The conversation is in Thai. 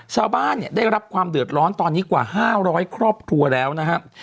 ชาวบ้านเนี่ยได้รับความเดือดร้อนตอนนี้กว่า๕๐๐ครอบครัวแล้วนะครับ